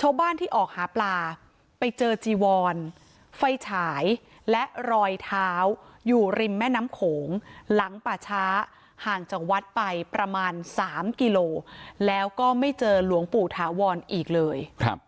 ชาวบ้านที่ออกหาปลาไปเจอจีวอนไฟฉายและรอยเท้าอยู่ริมแม่น้ำโขงหลังป่าช้าห่างจากวัดไปประมาณสามกิโลแล้วก็ไม่เจอหลวงปู่ถาวรอีกเลยครับ